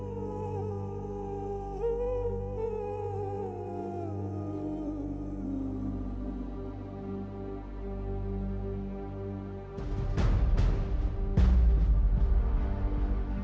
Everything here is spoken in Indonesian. nggak ada yang nunggu